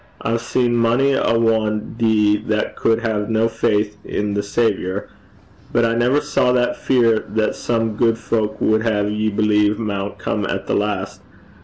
I hae seen mony a ane dee that cud hae no faith i' the Saviour; but I never saw that fear that some gude fowk wud hae ye believe maun come at the last.